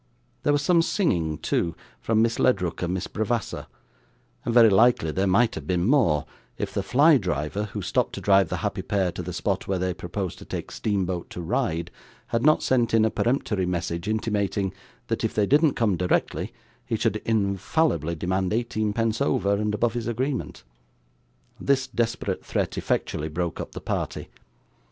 There was some singing, too, from Miss Ledrook and Miss Bravassa, and very likely there might have been more, if the fly driver, who stopped to drive the happy pair to the spot where they proposed to take steamboat to Ryde, had not sent in a peremptory message intimating, that if they didn't come directly he should infallibly demand eighteen pence over and above his agreement. This desperate threat effectually broke up the party.